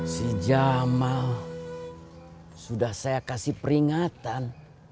si jamal sudah saya kasih peringatan